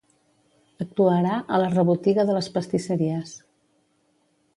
Actuarà a la rebotiga de les pastisseries.